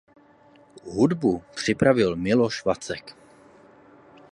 Hudbu připravil Miloš Vacek.